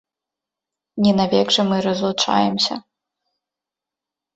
Не навек жа мы разлучаемся.